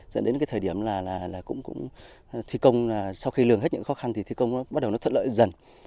dẫn đến thời điểm thi công sau khi lường hết những khó khăn thì thi công bắt đầu thuận lợi dần